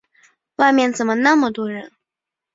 外面怎么那么多人？